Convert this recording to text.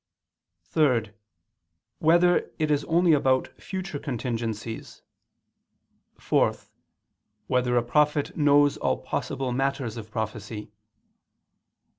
(3) Whether it is only about future contingencies? (4) Whether a prophet knows all possible matters of prophecy?